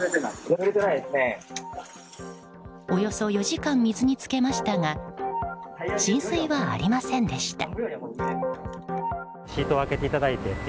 およそ４時間水につけましたが浸水はありませんでした。